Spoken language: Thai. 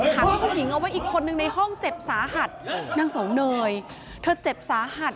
ขังผู้หญิงเอาไว้อีกคนนึงในห้องเจ็บสาหัสนางเสาเนยเธอเจ็บสาหัส